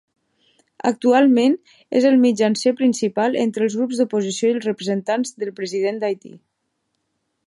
Actualment és el mitjancer principal entre els grups d'oposició i els representants del President d'Haití.